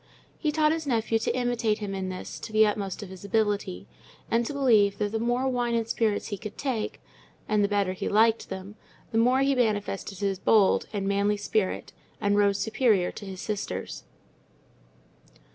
He taught his nephew to imitate him in this to the utmost of his ability, and to believe that the more wine and spirits he could take, and the better he liked them, the more he manifested his bold, and manly spirit, and rose superior to his sisters.